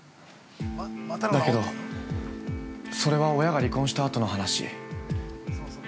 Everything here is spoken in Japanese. だけど、それは親が離婚したあとの話。